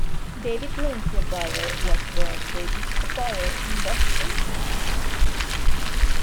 David Lindsay-Abaire was born David Abaire in Boston, Massachusetts.